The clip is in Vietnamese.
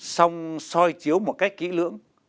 xong soi chiếu một cách kỹ lưỡng